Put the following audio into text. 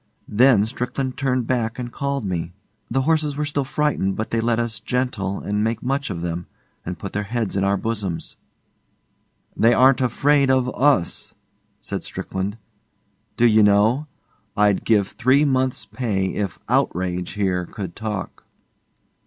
Then Strickland turned back and called me. The horses were still frightened, but they let us 'gentle' and make much of them, and put their heads in our bosoms. 'They aren't afraid of US,' said Strickland. 'D'you know, I'd give three months' pay if OUTRAGE here could talk.